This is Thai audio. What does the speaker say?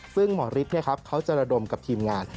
ซึ่งหมอฤทธิ์เขาจะระดมกับทีมงาน